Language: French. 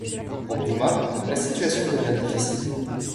Pour Douma, la situation devient difficile.